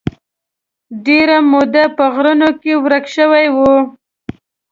ډېره موده په غرونو کې ورک شوی و.